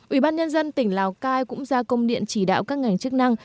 ủy ban nhân dân tỉnh lào cai cũng ra công điện chỉ đạo các ngành chức năng